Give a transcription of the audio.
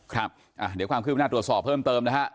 ครับเดี๋ยวความคืบหน้าตรวจสอบเพิ่มเติมนะฮะ